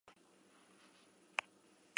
Azkenean, bere asmatzailearen izena hartu zuen.